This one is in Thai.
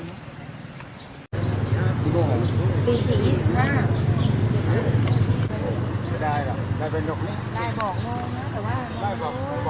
เมื่อเวลาอันดับสุดท้ายมันกลายเป็นอันดับสุดท้าย